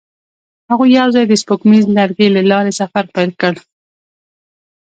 هغوی یوځای د سپوږمیز لرګی له لارې سفر پیل کړ.